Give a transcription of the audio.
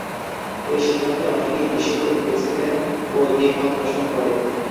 এ সিদ্ধান্তে অনেকেই বিস্মিত হয়েছিলেন ও দ্বি-মত পোষণ করেন।